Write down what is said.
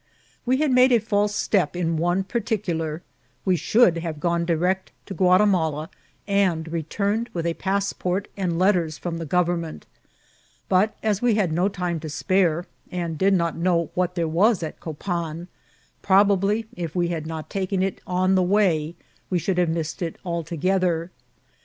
We had made a fSalse step in one particular ; we should have gone direct to Ouati mala, and returned with a passport and letters from the government ; but, as we had no time to spare, and did not know what there was at Copan, probably if we had not taken it on the way we should have missed it alto gether.